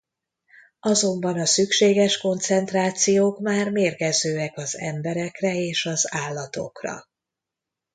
Azonban a szükséges koncentrációk már mérgezőek az emberekre és az állatokra.